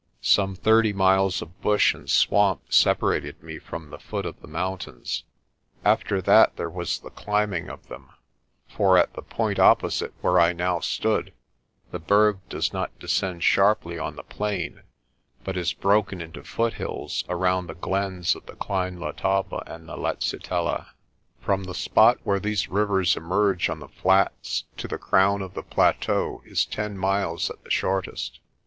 Some thirty miles of bush and swamp separated me from the foot of the mountains. After that there was the climbing of them, for at the point opposite where I now stood the Berg does not descend sharply on the plain, but is broken into foot hills around the glens of the Klein Letaba and the Letsitela. From the spot where these rivers emerge on the flats to the crown of the plateau is ten miles at the shortest.